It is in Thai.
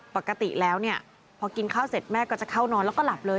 ปกติแล้วเนี่ยพอกินข้าวเสร็จแม่ก็จะเข้านอนแล้วก็หลับเลย